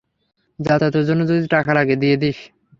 যাতায়াতের জন্য যদি টাকা লাগে, দিয়ে দিস।